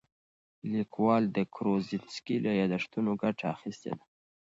لیکوال د کروزینسکي له یادښتونو ګټه اخیستې ده.